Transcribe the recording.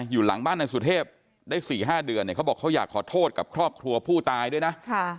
หลังบ้านนายสุเทพได้๔๕เดือนเนี่ยเขาบอกเขาอยากขอโทษกับครอบครัวผู้ตายด้วยนะ